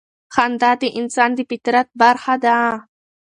خندا د انسان د فطرت برخه ده.